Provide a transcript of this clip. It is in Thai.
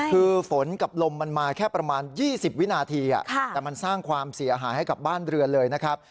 คือฝนกับลมมันมาแค่ประมาณ๒๐วินาทีแต่มันสร้างความเสียหายให้กับบ้านเรือนเลยนะครับ